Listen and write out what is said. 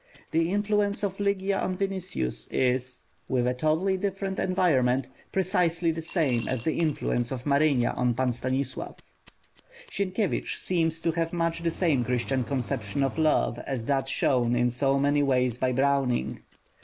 The influence of Lygia on Vinicius is, with a totally different environment, precisely the same as the influence of Marynia on Pan Stanislav. Sienkiewicz seems to have much the same Christian conception of Love as that shown in so many ways by Browning.